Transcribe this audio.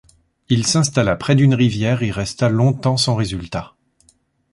Il s’installa près d’une rivière et resta longtemps sans résultat.